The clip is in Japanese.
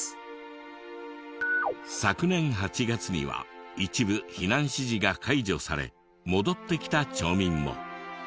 昨年８月には一部避難指示が解除され戻ってきた町民も。